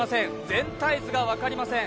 全体図が分かりません。